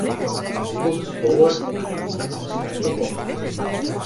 It dûbelde spoar makke ynienen in skerpe bocht.